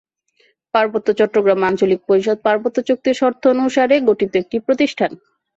পার্বত্য চট্টগ্রাম আঞ্চলিক পরিষদ পার্বত্য চুক্তির শর্ত অনুসারে গঠিত একটি প্রতিষ্ঠান।